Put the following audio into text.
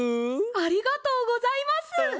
ありがとうございます！